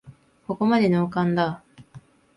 ここまでノーカンだ